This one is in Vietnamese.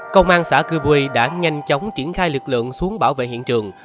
công an xã cư quỳ đã nhanh chóng triển khai lực lượng xuống bảo vệ hiện trường